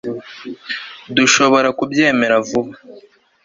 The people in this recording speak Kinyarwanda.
dushobora kubyemera vuba